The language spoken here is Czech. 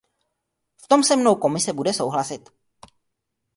V tom se mnou Komise bude souhlasit.